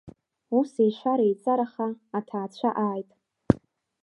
Ус, еишәара-еиҵараха аҭаацәа ааит…